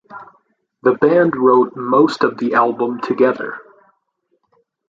The band wrote most of the album together.